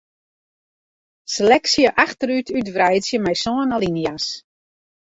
Seleksje achterút útwreidzje mei sân alinea's.